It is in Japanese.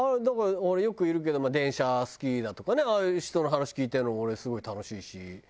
だからよくいるけど電車好きだとかねああいう人の話聞いてるのも俺すごい楽しいし。